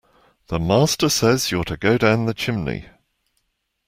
The master says you’re to go down the chimney!